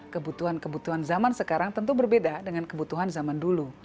kebutuhan kebutuhan zaman sekarang tentu berbeda dengan kebutuhan zaman dulu